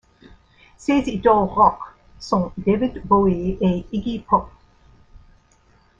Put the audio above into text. Ses idoles rock sont David Bowie et Iggy Pop.